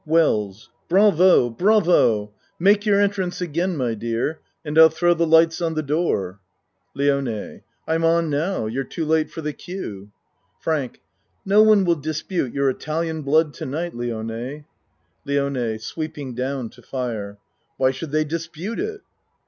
WELLS Bravo! Bravo! Make your entrance again, my dear, and I'll throw the lights on the door. LIONE I'm on now. You're too late for the cue. FRANK No one will dispute your Italian blood to night, Lione. LIONE (Sweeping down to fire.) Why should they dispute it?